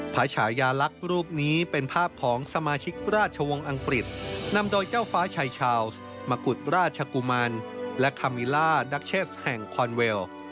ฉายาลักษณ์รูปนี้เป็นภาพของสมาชิกราชวงศ์อังกฤษนำโดยเจ้าฟ้าชายชาวส์มกุฎราชกุมารและคามิล่าดัชเชสแห่งคอนเวล